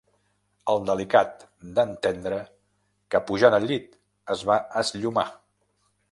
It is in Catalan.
El delicat d'en Tendre, que pujant al llit es va esllomar.